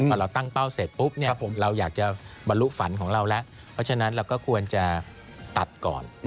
พอเราตั้งเป้าเสร็จปุ๊บเราอยากจะบรรลุฝันของเราแล้วเพราะฉะนั้นเราก็ควรจะตัดก่อน